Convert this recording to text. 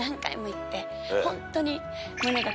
ホントに。